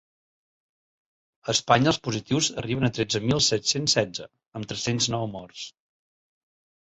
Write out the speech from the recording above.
A Espanya els positius arriben a tretze mil set-cents setze, amb tres-cents nou morts.